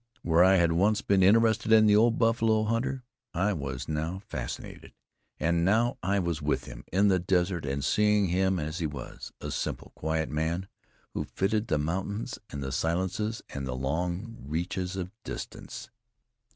Where I had once been interested in the old buffalo hunter, I was now fascinated. And now I was with him in the desert and seeing him as he was, a simple, quiet man, who fitted the mountains and the silences, and the long reaches of distance.